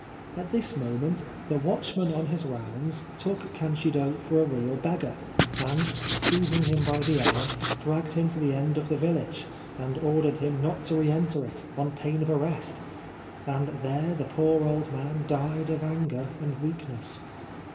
At this moment the watchman on his rounds took Kanshiro for a real beggar, and, seizing him by the arm, dragged him to the end of the village, and ordered him not to re enter it, on pain of arrest ; and there the poor old man died of anger and weakness.